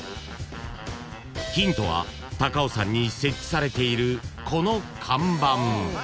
［ヒントは高尾山に設置されているこの看板］